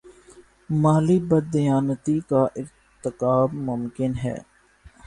مالی بد دیانتی کا ارتکاب ممکن ہے۔